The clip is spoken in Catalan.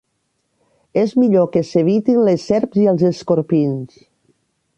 És millor que s'evitin les serps i els escorpins.